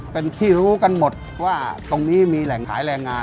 เป็นที่รู้กันหมดว่าตรงนี้มีแหล่งขายแรงงาน